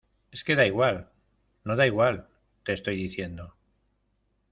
es que da igual. no da igual . te estoy diciendo